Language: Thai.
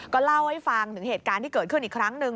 ก็เล่าให้ฟังถึงเหตุการณ์ที่เกิดขึ้นอีกครั้งหนึ่ง